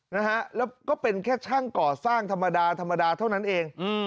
และก็เป็นแค่ช่างก่อสร้างธรรมดาเท่านั้นเอง